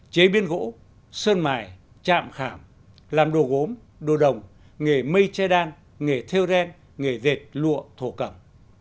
chế biến gỗ sơn mài trạm khảm làm đồ gốm đồ đồng nghề mây che đan nghề theo ren nghề dệt lụa thổ cẩm